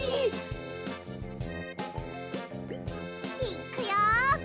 いっくよ！